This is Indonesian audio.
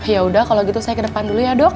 ya udah kalau gitu saya ke depan dulu ya dok